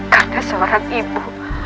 karena seorang ibu